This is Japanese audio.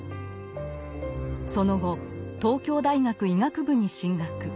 その後東京大学医学部に進学。